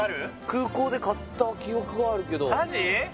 空港で買った記憶はあるけどマジ？